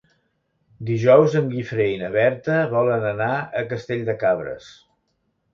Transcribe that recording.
Dijous en Guifré i na Berta volen anar a Castell de Cabres.